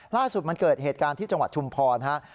ล่าสุดมันเกิดเหตุการณ์ที่จังหวัดชุมพรครับ